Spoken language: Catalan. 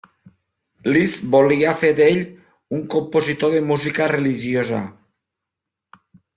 Liszt volia fer d'ell un compositor de música religiosa.